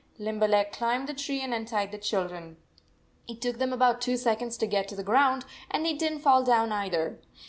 Limberleg climbed the tree and untied the children. It took them about two sec onds to get to the ground, and they did n t fall down either.